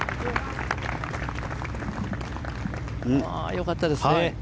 良かったですね。